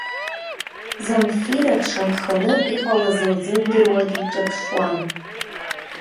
Замфира дшанханы, иҟалаз лзымдыруа диҿаԥшуан.